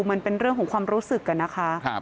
มันเป็นเรื่องของความรู้สึกอะนะคะ